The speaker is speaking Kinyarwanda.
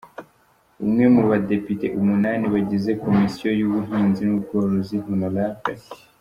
Umwe mu badepite umunani bagize komisiyo y’ ubuhinzi n’ ubworozi Hon.